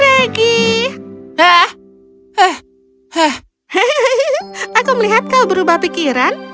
haki aku melihat kau berubah pikiran